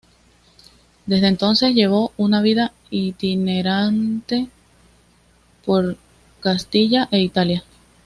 Desde entonces llevó una vida itinerante por Castilla e Italia.